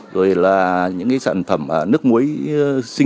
rồi là những cái sản phẩm nước mua